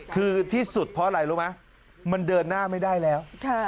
คือที่สุดเพราะอะไรรู้ไหมมันเดินหน้าไม่ได้แล้ว